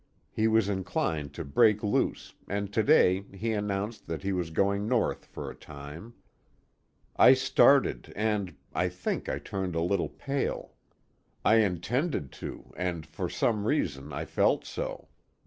He was inclined to break loose, and to day he announced that he was going north for a time. I started, and I think I turned a little pale. I intended to, and for some reason, I felt so.